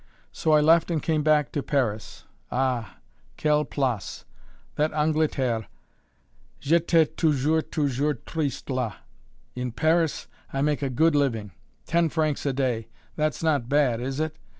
So I left and came back to Paris. Ah! quelle place! that Angleterre! J'étais toujours, toujours triste là! In Paris I make a good living; ten francs a day that's not bad, is it?